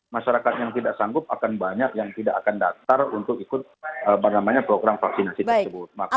masyarakat yang tidak sanggup akan banyak yang tidak akan datar untuk ikut program vaksinasi tersebut